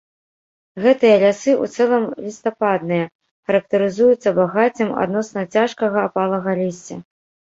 Гэтыя лясы ў цэлым лістападныя, характарызуюцца багаццем адносна цяжкага апалага лісця.